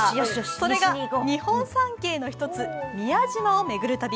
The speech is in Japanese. それが日本三景の一つ・宮島を巡る旅。